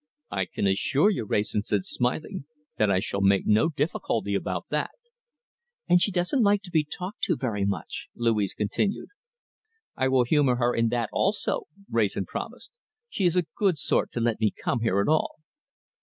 "I can assure you," Wrayson said, smiling, "that I shall make no difficulty about that." "And she doesn't like to be talked to very much," Louise continued. "I will humour her in that also," Wrayson promised. "She is a good sort to let me come here at all."